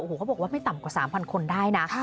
โอ้โหก็บอกว่าไม่ต่ำกว่า๓๐๐๐คนได้นะ